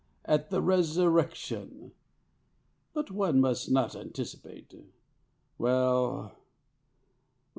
At the resurrection But one must not anticipate. Well, well.